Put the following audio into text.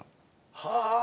はあ。